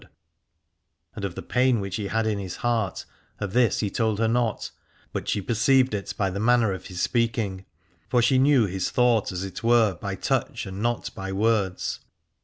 314 Aladore And oi the pain which he had in his heart, of this he told her not, but she perceived it by the manner of his speaking, for she knew his thought as it were by touch and not by words.